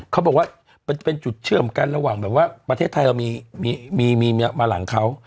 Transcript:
เขาบอกว่าเป็นจุดเชื่อมกันระหว่างแบบว่าประเทศไทยเรามีมาหลังเขา